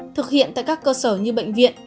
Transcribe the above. thực hiện tại các cơ sở như bệnh viện